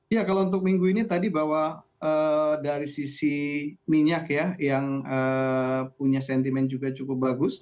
ya kalau untuk minggu ini tadi bahwa dari sisi minyak ya yang punya sentimen juga cukup bagus